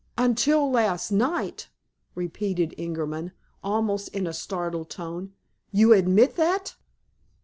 "Until last night!" repeated Ingerman, almost in a startled tone. "You admit that?"